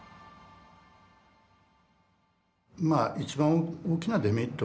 まあ一番大きなデメリットはですね